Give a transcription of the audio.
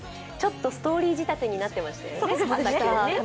ちょっとストーリー仕立てになってましたよね。